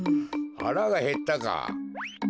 はらがへったか。